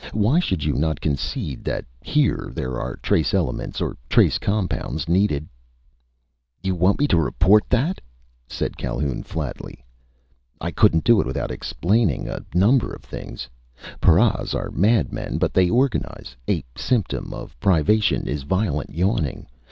Why should you not concede that here there are trace elements or trace compounds needed " "You want me to report that," said Calhoun, flatly. "I couldn't do it without explaining a number of things. Paras are madmen, but they organize. A symptom of privation is violent yawning.